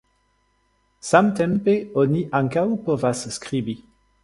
Samtempe oni ankaŭ povas skribi.